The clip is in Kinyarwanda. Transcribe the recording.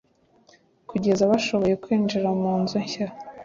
kugeza bashoboye kwinjira munzu nshya